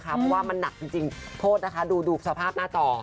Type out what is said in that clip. เพราะว่ามันหนักจริงโทษนะคะดูสภาพหน้าจอ